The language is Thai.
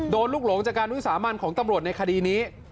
ลูกหลงจากการวิสามันของตำรวจในคดีนี้